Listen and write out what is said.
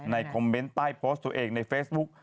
คอมเมนต์ใต้โพสต์ตัวเองในเฟซบุ๊ก